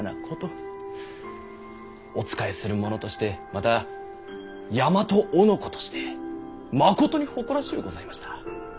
お仕えする者としてまた大和男としてまことに誇らしゅうございました。